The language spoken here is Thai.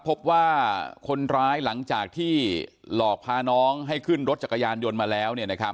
พบว่าคนร้ายหลังจากที่หลอกพาน้องให้ขึ้นรถจักรยานยนต์มาแล้ว